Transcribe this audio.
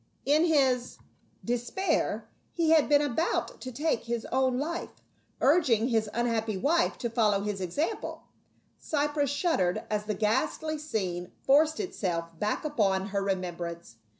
In his 42 PA UL. despair he had been about to take his own life, urging his unhappy wife to follow his example. Cypros shud dered as the ghastly scene forced itself back upon her remembrance.